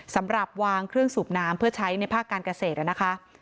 สำหรับวางเครื่องสูบน้ำเพื่อใช้ในภาคการเกษตรนะคะ